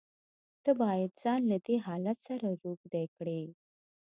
ته بايد ځان له دې حالت سره روږدى کړې.